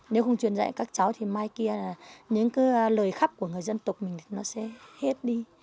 nếu không truyền dạy các cháu thì mai kia là những cái lời khắp của người dân tộc mình nó sẽ hết đi